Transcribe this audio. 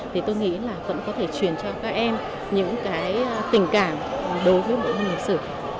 thì tôi nghĩ là vẫn có thể truyền cho các em những cái tình cảm đối với bộ môn lịch sử